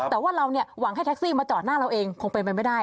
แต่ว่าเราหวังให้แท็กซี่มาจอดหน้าเราเองคงเป็นไปไม่ได้